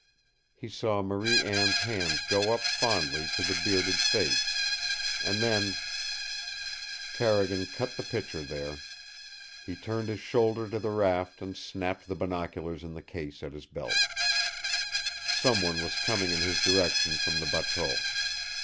He saw Marie Anne's hands go up fondly to the bearded face. And then Carrigan cut the picture there. He turned his shoulder to the raft and snapped the binoculars in the case at his belt. Some one was coming in his direction from the bateau.